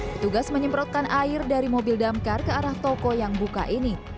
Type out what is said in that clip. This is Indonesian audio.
petugas menyemprotkan air dari mobil damkar ke arah toko yang buka ini